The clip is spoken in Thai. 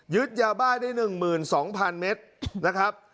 ยาบ้าได้๑๒๐๐๐เมตรนะครับ